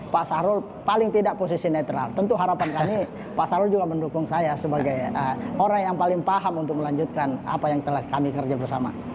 pak sarul paling tidak posisi netral tentu harapan kami pak sarul juga mendukung saya sebagai orang yang paling paham untuk melanjutkan apa yang telah kami kerja bersama